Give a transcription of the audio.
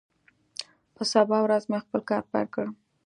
په سبا ورځ مې خپل کار پیل کړ.